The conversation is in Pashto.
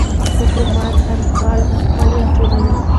حکومت هر کال مالیه ټولوي.